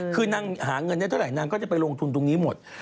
คือนางหาเงินได้เท่าไหร่นางก็จะไปลงทุนตรงนี้หมด